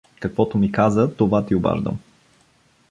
Каквото ми каза, това ти обаждам.